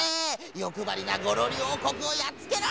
よくばりなゴロリおうこくをやっつけろ！